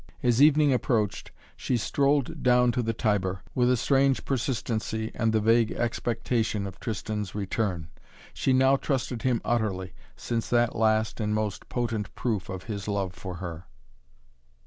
As evening approached she strolled down to the Tiber, with a strange persistency and the vague expectation of Tristan's return. She now trusted him utterly, since that last and most potent proof of his love for her.